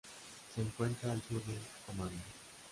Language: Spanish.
Se encuentra al sur de Omán.